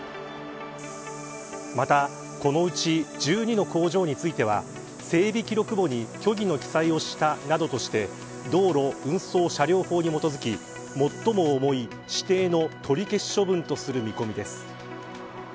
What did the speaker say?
また、このうち１２の工場については整備記録簿に虚偽の記載をしたなどとして道路運送車両法に基づき最も重い指定の取り消し処分とする見込みです。